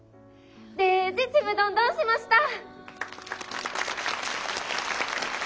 デージちむどんどんしました！